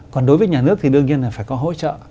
còn đối với nhà nước thì đương nhiên là phải có hỗ trợ